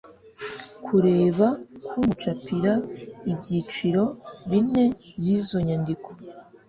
kubera kumucapira ibyiciro bine by'izo nyandiko.